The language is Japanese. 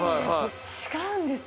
違うんです。